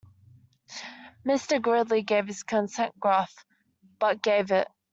Mr. Gridley gave his consent gruff — but gave it.